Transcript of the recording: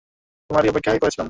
তোমারই অপেক্ষায় করছিলাম।